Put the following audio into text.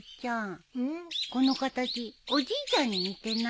この形おじいちゃんに似てない？